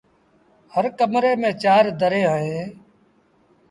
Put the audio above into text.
هر ڪمري ميݩ چآر دريٚݩ اوهيݩ ۔